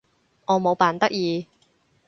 我冇扮得意